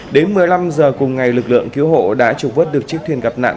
đến một mươi năm h cùng ngày lực lượng cứu hộ đã trục vớt được chiếc thuyền gặp nạn